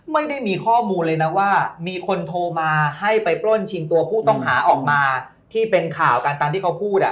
ไม่ได้มีข้อมูลเลยนะว่ามีคนโทรมาให้ไปปล้นชิงตัวผู้ต้องหาออกมาที่เป็นข่าวกันตามที่เขาพูดอ่ะ